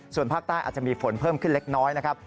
ส่วนภาคใต้อาจจะมีฝนเพิ่มขึ้นเล็กน้อยนะครับ